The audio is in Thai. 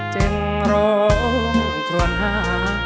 จึงโรงควรหา